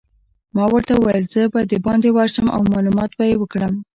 ما ورته وویل: زه به دباندې ورشم او معلومات به يې وکړم.